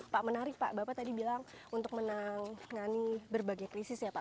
pak menarik pak bapak tadi bilang untuk menangani berbagai krisis ya pak